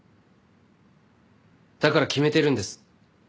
だから決めてるんです。